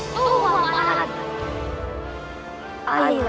tuhan maafkan aku